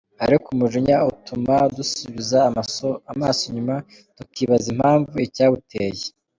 Ariko umujinya utuma dusubiza amaso inyuma, tukibaza impamvu icyawuduteye.